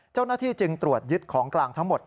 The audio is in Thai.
เจ้าหน้าที่จึงตรวจยึดของกลางทั้งหมด